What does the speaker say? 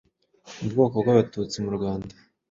mu bwoko bw’Abatutsi mu Rwanda.